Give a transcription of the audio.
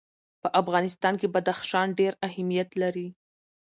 په افغانستان کې بدخشان ډېر اهمیت لري.